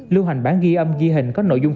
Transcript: lưu hành bản ghi âm ghi hình có nội dung